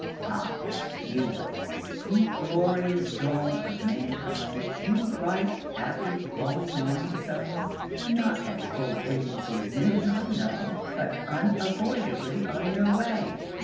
Ah! Youth! You glorious dawn of Mankind! You bright, happy, glowing morning Sun; not at full brilliancy of noon, I know, but unavoidably on your way!